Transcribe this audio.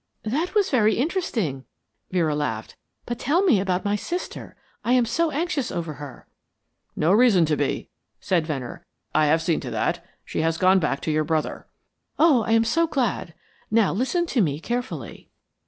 "That was very interesting," Vera laughed. "But tell me about my sister. I am so anxious over her." "No reason to be," said Venner. "I have seen to that. She has gone back to your brother." "Oh, I am so glad. Now listen to me carefully."